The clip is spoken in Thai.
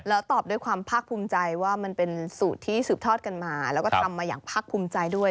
แล้วตอบด้วยความภาคภูมิใจว่ามันเป็นสูตรที่สืบทอดกันมาแล้วก็ทำมาอย่างภาคภูมิใจด้วย